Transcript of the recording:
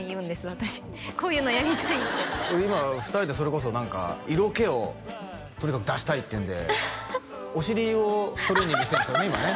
私こういうのやりたいって今２人でそれこそ何か色気をとにかく出したいっていうんでお尻をトレーニングしてるんですよね？